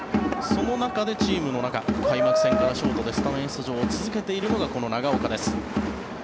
その中でチームの中開幕戦からショートでスタメン出場を続けているのがこの長岡です。